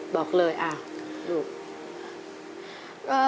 บอกเลยอ่ะหนู